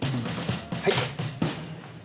はい！